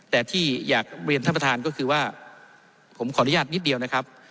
แต่ที่อยากเรียนท่านประธานก็คือว่าผมขออนุญาตนิดเดียวนะครับ